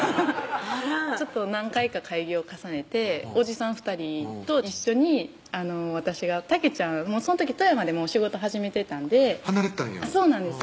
そう何回か会議を重ねておじさんふたりと一緒にたけちゃんその時富山でもう仕事始めてたんで離れてたんやそうなんですよ